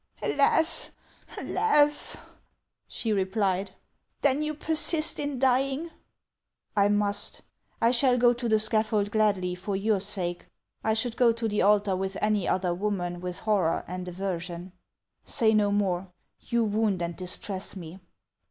" Alas ! alas !" she replied, " then you persist in dying ?"" I must. I shall go to the scaffold gladly for your sake ; I should go to the altar with any other woman with hoiTor and aversion. Say no more ; you wound and distress me."